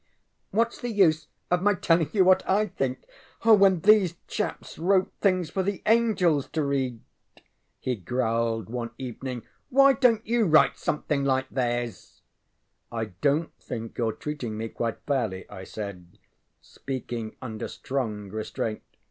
ŌĆ£WhatŌĆÖs the use of my telling you what I think, when these chaps wrote things for the angels to read? ŌĆØ he growled, one evening. ŌĆ£Why donŌĆÖt you write something like theirs? ŌĆØ ŌĆ£I donŌĆÖt think youŌĆÖre treating me quite fairly, ŌĆØ I said, speaking under strong restraint.